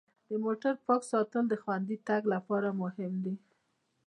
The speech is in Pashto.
د موټر پاک ساتل د خوندي تګ لپاره مهم دي.